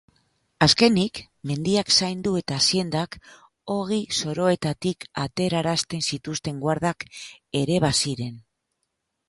Azkenik, mendiak zaindu eta aziendak ogi-soroetatik aterarazten zituzten guardak ere baziren.